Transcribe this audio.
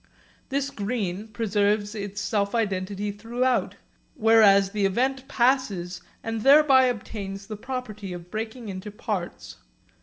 This green preserves its self identity throughout, whereas the event passes and thereby obtains the property of breaking into parts.